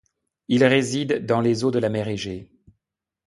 Il réside dans les eaux de la mer Égée.